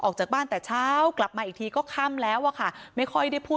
กับเจ้าชีวิตขายของไอวัตติฯ